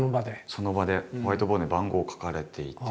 その場でホワイトボードに番号書かれていて。